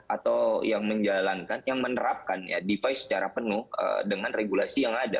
atau yang menjalankan yang menerapkan ya device secara penuh dengan regulasi yang ada